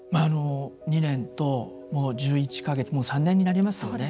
２年と１１か月もう３年になりますよね。